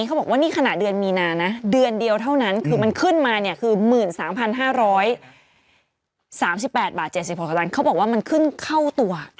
เขาบอกว่านี่ขณะเดือนมีนานะเดือนเดียวเท่านั้นคือมันขึ้นมาเนี่ยคือ๑๓๕๓๘บาท๗๖ตันเขาบอกว่ามันขึ้นเข้าตัว